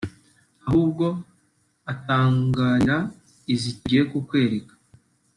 ahubwo utangarira izi tugiye kukwereka